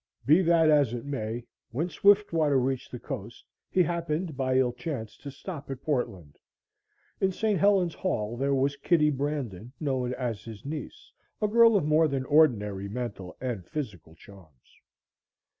Be that as it may, when Swiftwater reached the coast, he happened by ill chance to stop at Portland. In St. Helen's Hall there was Kitty Brandon, known as his niece, a girl of more than ordinary mental and physical charms.